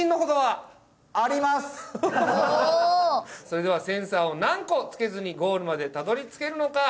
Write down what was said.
それではセンサーを何個つけずにゴールまでたどり着けるのか？